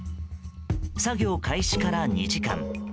作業開始から２時間。